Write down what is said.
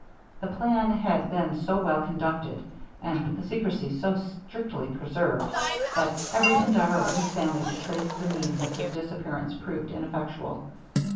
The plan had been so well conducted, and the secrecy so strictly preserved, that every endeavour of his family to trace the means of his disappearance proved ineffectual.